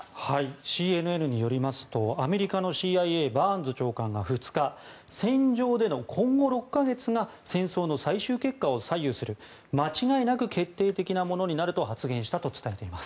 ＣＮＮによりますとアメリカのＣＩＡバーンズ長官が２日戦場での今後６か月が戦争の最終結果を左右する間違いなく決定的なものになると発言したと伝えています。